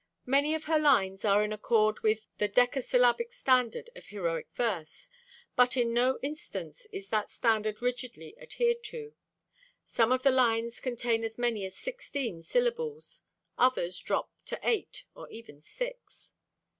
Many of her lines are in accord with the decasyllabic standard of heroic verse, but in no instance is that standard rigidly adhered to: some of the lines contain as many as sixteen syllables, others drop to eight or even six.